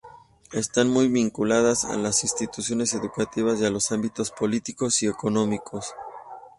Están muy vinculadas a las instituciones educativas y a los ámbitos político y económico.